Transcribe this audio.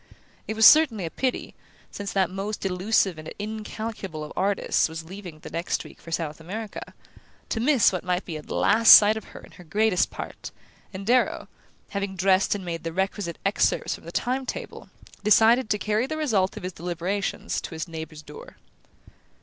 It was certainly a pity, since that most elusive and incalculable of artists was leaving the next week for South America, to miss what might be a last sight of her in her greatest part; and Darrow, having dressed and made the requisite excerpts from the time table, decided to carry the result of his deliberations to his neighbour's door.